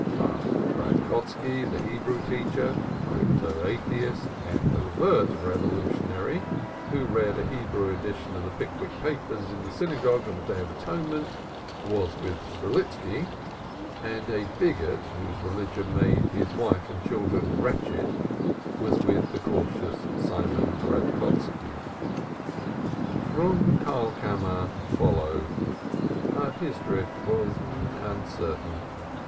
But Gronovitz, the Hebrew teacher, crypto atheist and overt revolutionary, who read a Hebrew edition of the "Pickwick Papers" in synagogue on the Day of Atonement, was with Strelitski, and a bigot whose religion made his wife and children wretched was with the cautious Simon Gradkoski. Froom Karlkammer followed, but his drift was uncertain.